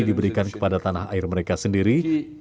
diberikan kepada tanah air mereka sendiri